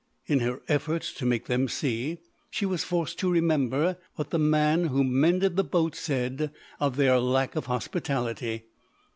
In her efforts to make them see, she was forced to remember what the man who mended the boats said of their lack of hospitality.